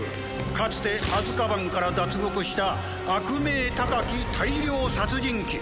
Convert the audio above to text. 「かつてアズカバンから脱獄した悪名高き大量殺人鬼」